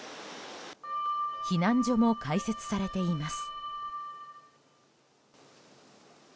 避難所も開設されています。